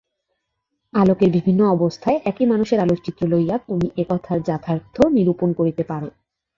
আলোকের বিভিন্ন অবস্থায় একই মানুষের আলোকচিত্র লইয়া তুমি এ-কথার যাথার্থ্য নিরূপণ করিতে পার।